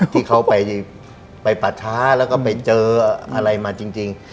ที่เขาไปปะท้าแล้วก็ไปเจออะไรมาจริง